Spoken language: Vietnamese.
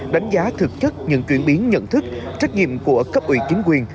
đánh giá thực chất những chuyển biến nhận thức trách nhiệm của cấp ủy chính quyền